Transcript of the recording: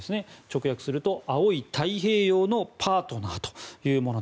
直訳すると青い太平洋のパートナー。